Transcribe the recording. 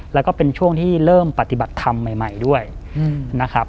แล้วก็เป็นช่วงที่เริ่มปฏิบัติธรรมใหม่ด้วยนะครับ